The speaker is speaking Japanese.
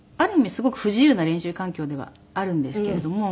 すごく不自由な練習環境ではあるんですけれども。